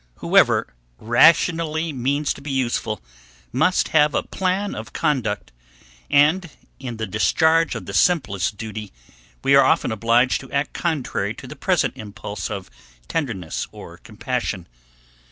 Whoever rationally means to be useful, must have a plan of conduct; and, in the discharge of the simplest duty, we are often obliged to act contrary to the present impulse of tenderness or compassion.